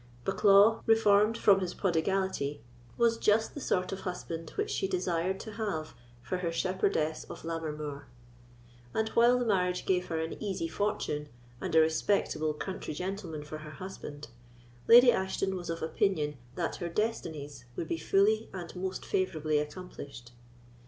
Bucklaw, reformed from his prodigality, was just the sort of husband which she desired to have for her Shepherdess of Lammermoor; and while the marriage gave her an easy fortune, and a respectable country gentleman for her husband, Lady Ashton was of opinion that her destinies would be fully and most favourably accomplished.